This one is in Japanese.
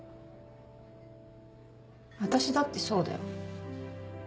私だってそうだよ。